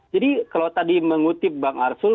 jadi kalau tadi mengutip bang arsul